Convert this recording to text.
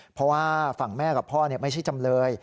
เพราะว่าฝั่งแม่กับพ่อไม่ใช่จำเลย